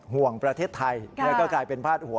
ห่วงประเทศไทยแล้วก็กลายเป็นพาดหัว